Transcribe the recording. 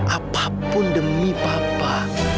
apapun demi papa